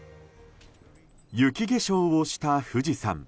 雪化粧をした富士山。